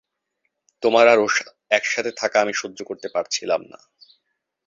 তোমার আর ওর একসাথে থাকা আমি সহ্য করতে পারছিলাম না।